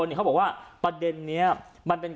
เขาบอกว่าประเด็นนี้มันเป็น